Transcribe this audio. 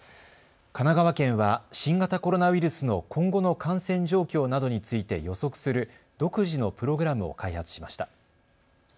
神奈川県は新型コロナウイルスの今後の感染状況などについて予測する独自のプログラムを開発しました。